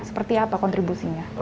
seperti apa kontribusinya